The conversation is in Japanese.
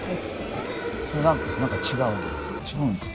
それ何か違う違うんですか？